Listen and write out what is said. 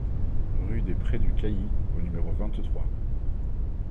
Rue des Prés du Cailly au numéro vingt-trois